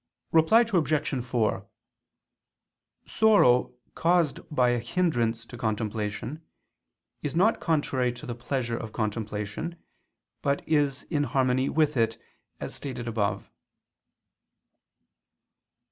Reply Obj. 4: Sorrow caused by a hindrance to contemplation, is not contrary to the pleasure of contemplation, but is in harmony with it, as stated above.